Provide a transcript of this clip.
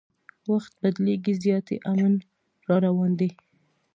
وخت بدلیږي زیاتي امن راروان دي